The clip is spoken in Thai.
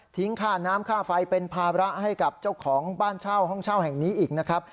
ค่าน้ำค่าไฟเป็นภาระให้กับเจ้าของบ้านเช่าห้องเช่าแห่งนี้อีกนะครับ